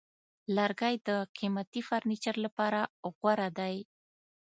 لرګی د قیمتي فرنیچر لپاره غوره دی.